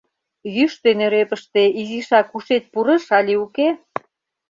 Йӱштӧ нӧрепыште изишак ушет пурыш але уке?